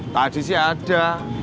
tadi sih ada